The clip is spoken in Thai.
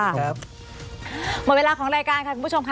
หมดเวลาของรายการค่ะคุณผู้ชมค่ะ